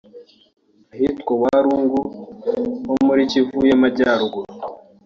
ahitwa Walungu ho muri Kivu y’Amajyaruguru